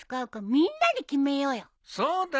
そうだな。